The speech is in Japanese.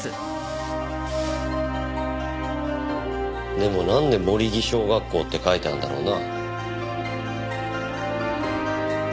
でもなんで「守木小学校」って書いてあるんだろうな。